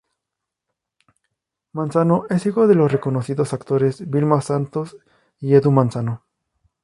Manzano es hijo de los reconocidos actores, Vilma Santos y Edu Manzano.